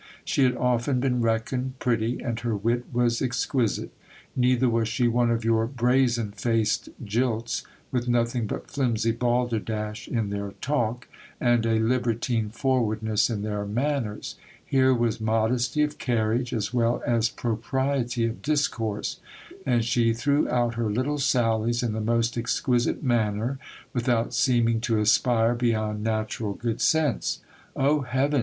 She had often been reckoned pretty, and her wit was exquisite. Neither was she one of your biazenfaced jilts, with nothing but flimsy balderdash in their talk, and a liber tine forwardness in their manners : here was modesty of carriage as well as pro priety of discourse ; and she threw out her little sallies in the most exquisite manner, without seeming to aspire beyond natural good sense. Oh heaven